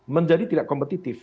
menjadi tidak kompetitif